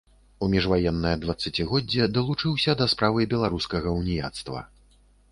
У міжваеннае дваццацігоддзе далучыўся да справы беларускага ўніяцтва.